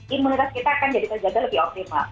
imunitas kita akan jadi terjaga lebih optimal